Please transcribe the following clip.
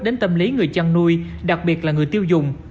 đến tâm lý người chăn nuôi đặc biệt là người tiêu dùng